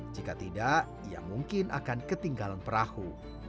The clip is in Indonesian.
jika tidak ia mungkin akan ketinggalan perahu